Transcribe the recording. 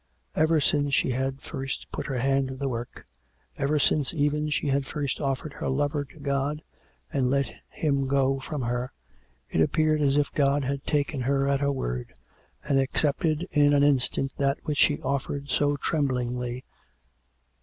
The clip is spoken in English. Ever since she had first put her hand to the work, ever since, even, she had first offered her lover to God and let him go from her, it appeared as if God had taken her at her word, and accepted in an instant that which she offered so tremblingly.